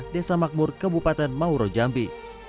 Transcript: desa makmur kebupaten mauro jambi